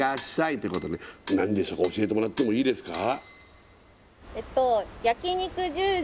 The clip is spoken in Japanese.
ということで何でしょうか教えてもらってもいいですか？